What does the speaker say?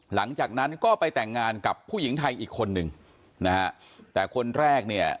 หลังจากนั้นก็ไปแต่งงานกับผู้หญิงไทยอีกคนนึงนะฮะแต่คนแรกเนี่ย